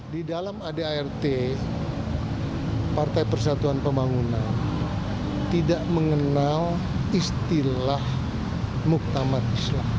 di dalam adart partai persatuan pembangunan tidak mengenal istilah muktamat islam